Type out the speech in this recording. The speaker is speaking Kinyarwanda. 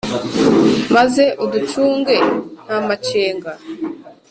maze uducunge nta macenga